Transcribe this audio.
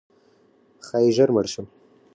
ښایي ژر مړ شم؛